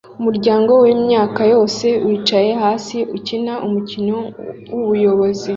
Umuryango wimyaka yose wicaye hasi ukina umukino wubuyobozi